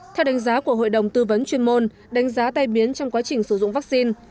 theo đánh giá của hội đồng tư vấn chuyên môn đánh giá tai biến trong quá trình sử dụng vaccine